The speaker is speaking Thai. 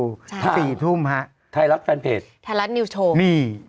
ใช่สี่ทุ่มฮะไทยรัฐแฟนเพจไทยรัฐนิวส์โชว์นี่เป็นไง